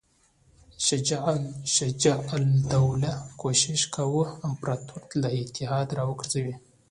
شجاع الدوله کوښښ کاوه امپراطور له اتحاد را وګرځوي.